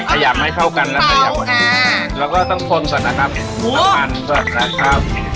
ขยับให้เข้ากันแล้วขยับก่อนเราก็ต้องทนก่อนนะครับน้ำมันก่อนนะครับ